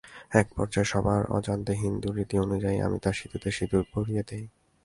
একপর্যায়ে সবার অজান্তে হিন্দুরীতি অনুযায়ী আমি তার সিঁথিতে সিঁদুর পরিয়ে দিই।